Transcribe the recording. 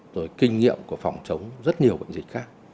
rồi kinh nghiệm của phòng chống rất nhiều bệnh dịch khác